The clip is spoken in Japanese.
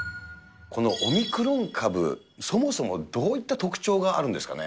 このオミクロン株、そもそもどういった特徴があるんですかね。